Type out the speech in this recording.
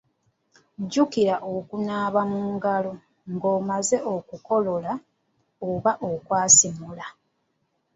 Jjukira okunaaba mu ngalo ng’omaze okukolola oba okwasimula.